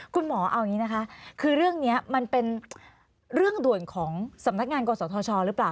คุณหมอเอาอย่างนี้นะคะคือเรื่องนี้มันเป็นเรื่องด่วนของสำนักงานกศธชหรือเปล่า